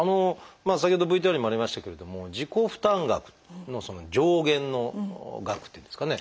先ほどＶＴＲにもありましたけれども自己負担額の上限の額っていうんですかね。